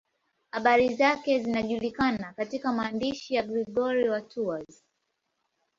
Habari zake zinajulikana katika maandishi ya Gregori wa Tours.